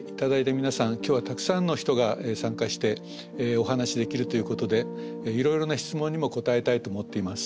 今日はたくさんの人が参加してお話できるということでいろいろな質問にも答えたいと思っています。